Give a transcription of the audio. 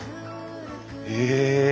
え！